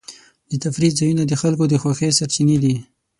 د تفریح ځایونه د خلکو د خوښۍ سرچینې دي.